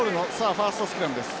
ファーストスクラムです。